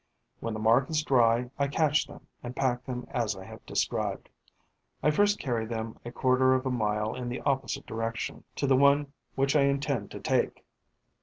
When the mark is dry, I catch them and pack them as I have described. I first carry them a quarter of a mile in the opposite direction to the one which I intend to take.